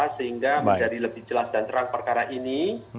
sehingga menjadi lebih jelas dan terang perkara ini